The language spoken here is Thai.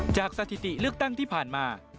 สถิติเลือกตั้งที่ผ่านมา